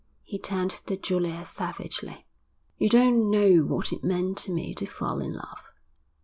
He turned to Julia savagely. 'You don't know what it meant to me to fall in love.